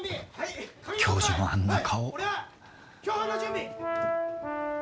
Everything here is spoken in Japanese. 教授のあんな顔。